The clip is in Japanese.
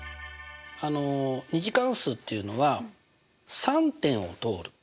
２次関数っていうのは３点を通る。